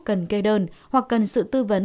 cần kê đơn hoặc cần sự tư vấn